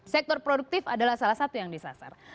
sektor produktif adalah salah satu yang disasar